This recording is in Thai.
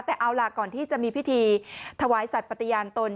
แต่เอาล่ะก่อนที่จะมีพิธีถวายสัตว์ปฏิญาณตน